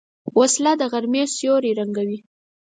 وسله د غرمې سیوری ړنګوي